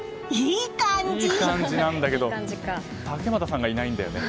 いい感じなんだけど竹俣さんがいないんだよね。